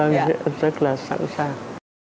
vâng rất là sẵn sàng